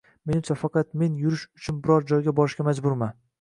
Menimcha, faqat men yurish uchun biror joyga borishga majburman